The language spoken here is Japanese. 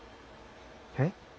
えっ？